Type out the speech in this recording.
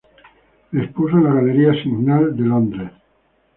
Expuso en la Galería Signals de Londres.